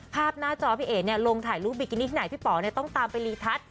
หน้าจอพี่เอ๋ลงถ่ายรูปบิกินี่ที่ไหนพี่ป๋อต้องตามไปรีทัศน